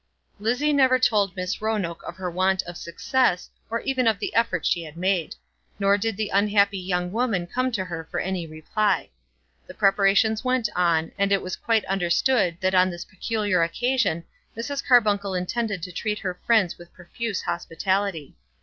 Lizzie never told Miss Roanoke of her want of success, or even of the effort she had made; nor did the unhappy young woman come to her for any reply. The preparations went on, and it was quite understood that on this peculiar occasion Mrs. Carbuncle intended to treat her friends with profuse hospitality.